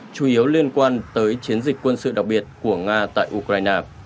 chủ yếu liên quan tới chiến dịch quân sự đặc biệt của nga tại ukraine